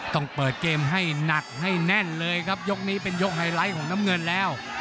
ต้องเปิดเกมให้หนักให้แน่นเลยครับยกนี้เป็นยกไฮไลท์ของน้ำเงินแล้ว